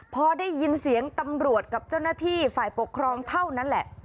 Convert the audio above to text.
พอได้ยินเสียงตำรวจกับเจ้าหน้าที่ฝ่ายปกครองเท่านั้นแหละ